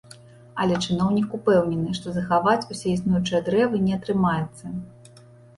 Але чыноўнік упэўнены, што захаваць усе існуючыя дрэвы не атрымаецца.